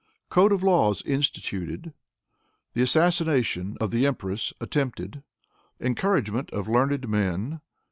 Code of Laws Instituted. The Assassination of the Empress Attempted. Encouragement of Learned Men.